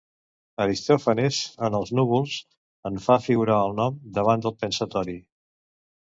Aristòfanes, en Els Núvols, en fa figurar el nom davant del Pensatori